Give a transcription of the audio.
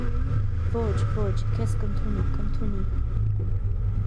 - Ո՛չ, ոչ, քեզ կընդունի, կընդունի: